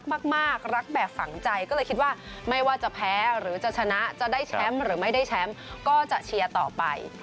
หรือจะชนะจะได้แชมป์หรือไม่ได้แชมป์ก็จะเชียร์ต่อไป